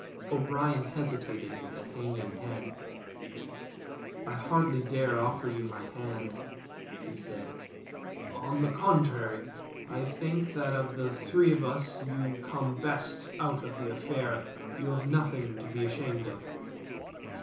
O'Brien hesitated with a hanging head. "I hardly dare offer you my hand," he said. "On the contrary. I think that of the three of us you come best out of the affair. You have nothing to be ashamed of."